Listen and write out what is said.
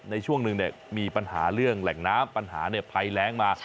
ในช่วงหนึ่งมีปัญหาเรื่องแหล่งน้ำปัญหาภัยแรงมา